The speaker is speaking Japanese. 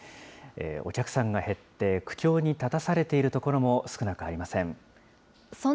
お客さんが減って、苦境に立たされている所も少なくありません。